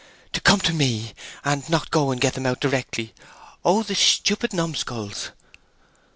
"To come to me, and not go and get them out directly! Oh, the stupid numskulls!"